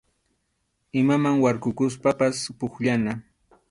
Imaman warkukuspapas pukllana.